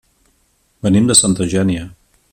Venim de Santa Eugènia.